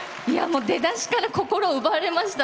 出だしから心を奪われました。